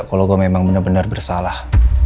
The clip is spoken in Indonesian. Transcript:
kalo gue memang bener bener bersalah